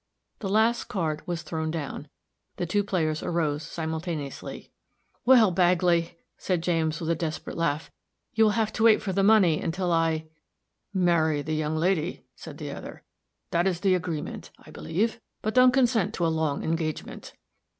The last card was thrown down; the two players arose simultaneously. "Well, Bagley," said James, with a desperate laugh, "you will have to wait for the money until I " "Marry the young lady," said the other; "that is the agreement, I believe; but don't consent to a long engagement."